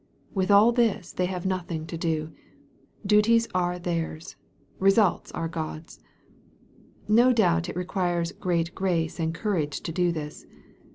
With all this they have nothing to do. Duties are theirs. Eesults are God's. No doubt it requires great grace and courage to do this.